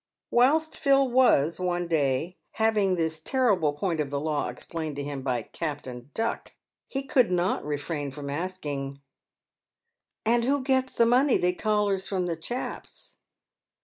Whilst Phil was, one day, having this terrible point of the law explained to him by Captain Duck, he could not refrain from asking, " And who gets the money they collars from the chaps